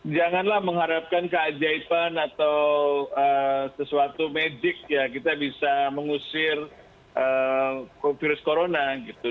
janganlah mengharapkan keajaiban atau sesuatu medic ya kita bisa mengusir virus corona gitu